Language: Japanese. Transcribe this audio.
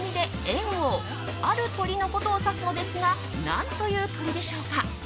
エンオウある鳥のことを指すのですが何という鳥でしょうか？